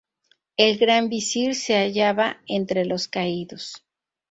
El Gran Visir se hallaba entre los caídos.